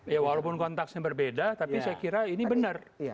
ya walaupun konteksnya berbeda tapi saya kira ini benar